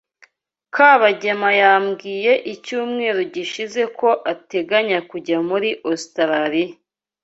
Kabagema yambwiye icyumweru gishize ko ateganya kujya muri Ositaraliya.